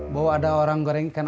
bahwa ada orang gorengkan